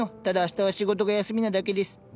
ただあしたは仕事が休みなだけです。